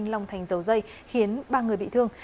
long thành dầu dây khiến ba người bị thương